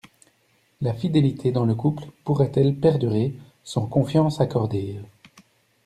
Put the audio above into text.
La fidélité dans le couple pourrait-elle perdurer sans confiance accordée?